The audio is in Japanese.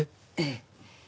ええ。